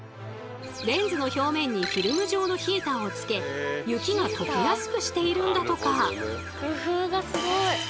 レンズの表面にフィルム状のヒーターをつけ雪がとけやすくしているんだとか。